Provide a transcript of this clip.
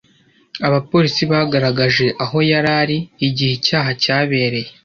Abapolisi bagaragaje aho yari ari igihe icyaha cyabereye.